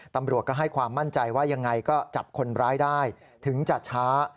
ตำรวจก็ให้ความมั่นใจว่ายังไงก็จับคนร้ายได้ถึงจะช้า